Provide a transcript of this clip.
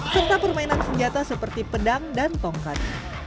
serta permainan senjata seperti pedang dan tongkat